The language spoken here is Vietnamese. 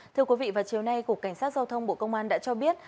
thưa quý vị vào chiều nay cục cảnh sát giao thông bộ công an đã cho biết